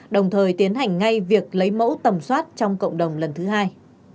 đồng thời tiến hành ngay việc lấy mẫu tầm soát trong cộng đồng lần thứ hai